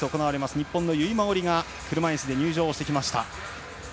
日本の由井真緒里が車いすで入場してきました。